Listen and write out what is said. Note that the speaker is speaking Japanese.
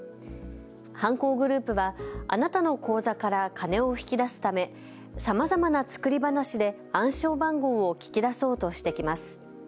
犯行グループはあなたの口座から金を引き出すためさまざまな作り話で暗証番号を聞き出そうとしてきます。